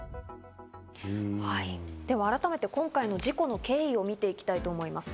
では改めて今回の事故の経緯を見ていきたいと思います。